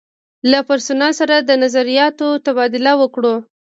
له پرسونل سره د نظریاتو تبادله وکړو.